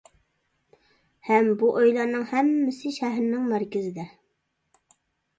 ھەم بۇ ئۆيلەرنىڭ ھەممىسى شەھەرنىڭ مەركىزىدە.